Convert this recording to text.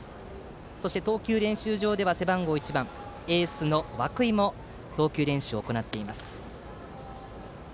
そして、投球練習場では背番号１番、エースの涌井も投球練習を行っています。